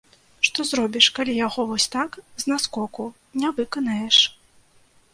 Што зробіш, калі яго вось так, з наскоку, не выканаеш.